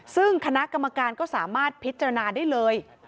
ซึ่งคณะกรรมการก็สามารถพิจารณาได้เลย